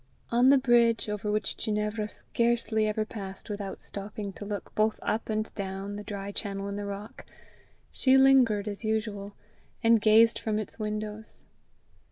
On the bridge, over which Ginevra scarcely ever passed without stopping to look both up and down the dry channel in the rock, she lingered as usual, and gazed from its windows.